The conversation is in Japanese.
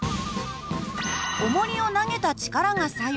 おもりを投げた力が作用。